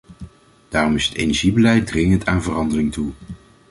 Daarom is het energiebeleid dringend aan verandering toe.